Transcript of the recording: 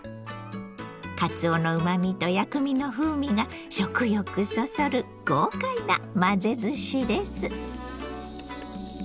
かつおのうまみと薬味の風味が食欲そそる豪快な混ぜずしです。